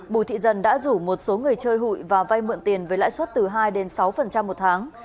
bùi thị dần đã rủ một số người chơi hụi và vay mượn tiền với lãi suất từ hai đến sáu một tháng